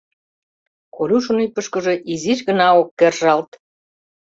— Колюшын ӱпышкыжӧ изиш гына ок кержалт.